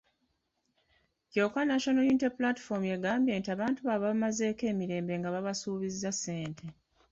Kyokka National Unity Platform egamba nti abantu baabwe babamazeeko emirembe nga babasuubiza ssente.